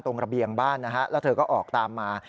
ตรงระเบียงบ้านแล้วเธอก็ออกตามมา